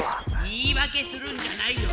言いわけするんじゃないよ。